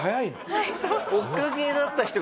はい。